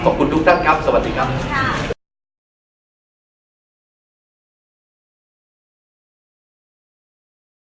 ขอบคุณทุกท่านครับสวัสดีครับ